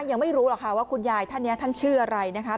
ยังไม่รู้หรอกค่ะว่าคุณยายท่านนี้ท่านชื่ออะไรนะคะ